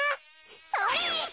それ！